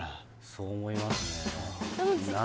そう思いますね